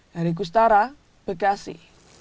dari kustara bekasi